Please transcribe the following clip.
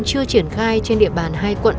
chưa triển khai trên địa bàn hai quận